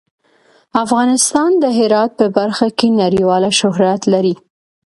افغانستان د هرات په برخه کې نړیوال شهرت لري.